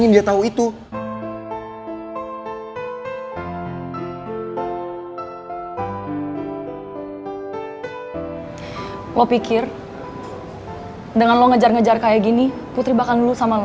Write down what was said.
jangan lo ngejar ngejar kayak gini ku teribakan dulu sama lo